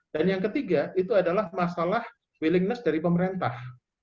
dan yang ketiga itu adalah masalah willingness dari pemerintah